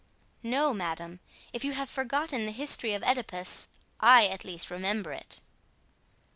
"No, madame; if you have forgotten the history of Oedipus, I, at least, remember it."